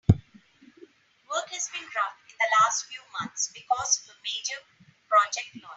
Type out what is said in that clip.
Work has been rough in the last few months because of a major project launch.